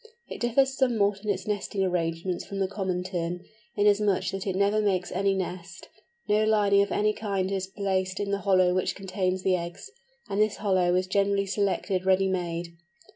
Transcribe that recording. It differs somewhat in its nesting arrangements from the Common Tern, inasmuch that it never makes any nest. No lining of any kind is placed in the hollow which contains the eggs, and this hollow is generally selected ready made.